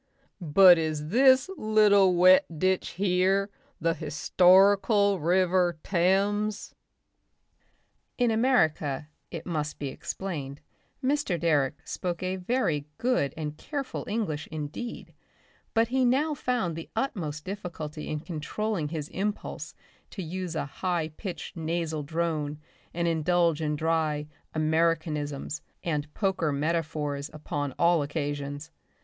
But is this little wet ditch here the Historical River Thames?" In America, it must be explained, Mr. Direck spoke a very good and careful English indeed, but he now found the utmost difficulty in controlling his impulse to use a high pitched nasal drone and indulge in dry "Americanisms" and poker metaphors upon all occasions.